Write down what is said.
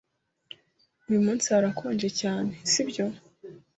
Uyu munsi harakonje cyane, sibyo?